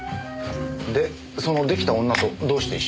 でその出来た女とどうして一緒に？